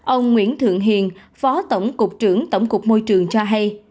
ông nguyễn thượng hiền phó tổng cục trưởng tổng cục môi trường cho hay